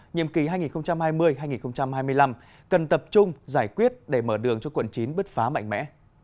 nhiệm kỳ hai nghìn hai mươi hai nghìn hai mươi năm cần tập trung giải quyết để mở đường cho quận chín bứt phá mạnh mẽ